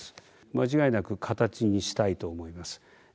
間違いなく形にしたいと思います。